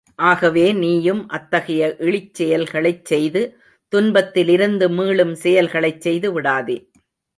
ஆகவே நீயும், அத்தகைய இழிசெயல்களைச் செய்து, துன்பத்திலிருந்து மீளும் செயல்களைச் செய்து விடாதே.